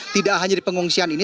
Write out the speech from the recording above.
tidak hanya di pengungsian ini